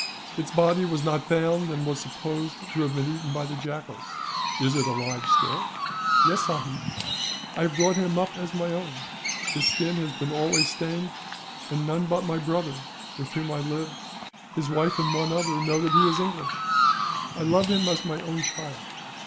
Its body was not found, and was supposed to have been eaten by the jackals. Is it alive still?" "Yes, sahib, I have brought him up as my own. His skin has been always stained; and none but my brother with whom I live his wife, and one other, know that he is English. I love him as my own child.